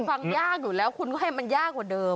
ฟังยากอยู่แล้วคุณก็ให้มันยากกว่าเดิม